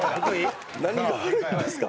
何が悪いんですか？